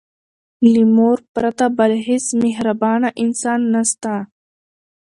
له مور پرته بل هيڅ مهربانه انسان نسته.